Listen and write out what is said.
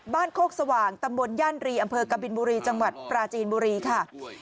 โคกสว่างตำบลย่านรีอำเภอกบินบุรีจังหวัดปราจีนบุรีค่ะ